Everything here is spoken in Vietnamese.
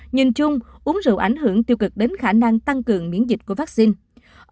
nhìn chung uống rượu ảnh hưởng tiêu cực đến khả năng tăng cường miễn dịch của vaccine